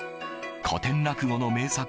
古典落語の名作